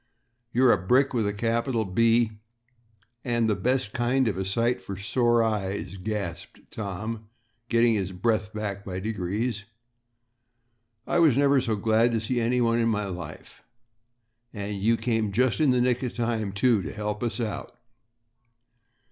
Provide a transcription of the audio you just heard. "You're a brick with a capital B and the best kind of a sight for sore eyes," gasped Tom, getting his breath back by degrees. "I never was so glad to see anyone in my life. And you came just in the nick of time, too, to help us out."